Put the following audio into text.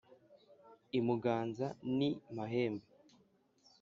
i muganza n’i mahembe,